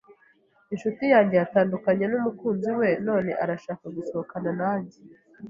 Inshuti yanjye yatandukanye numukunzi we none arashaka gusohokana nanjye.